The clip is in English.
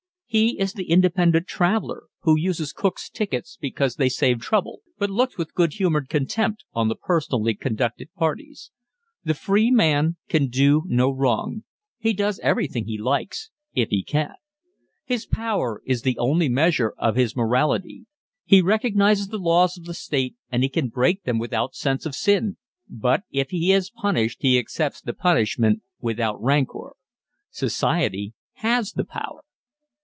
He is the independent traveller, who uses Cook's tickets because they save trouble, but looks with good humoured contempt on the personally conducted parties. The free man can do no wrong. He does everything he likes—if he can. His power is the only measure of his morality. He recognises the laws of the state and he can break them without sense of sin, but if he is punished he accepts the punishment without rancour. Society has the power.